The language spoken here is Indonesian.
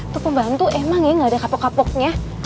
untuk pembantu emang ya gak ada kapok kapoknya